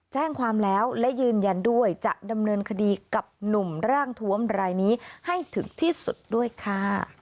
แจ้งความแล้วและยืนยันด้วยจะดำเนินคดีกับหนุ่มร่างทวมรายนี้ให้ถึงที่สุดด้วยค่ะ